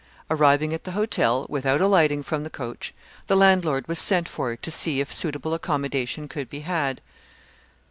Arriving at the hotel, without alighting from the coach, the landlord was sent for to see if suitable accommodation could be had.